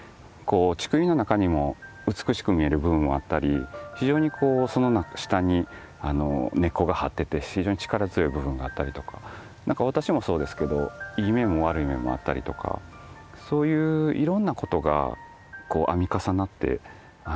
竹林の中にも美しく見える部分もあったり非常にこうその下に根っこが張ってて非常に力強い部分があったりとか私もそうですけどいい面も悪い面もあったりとかそういういろんなことが編み重なっ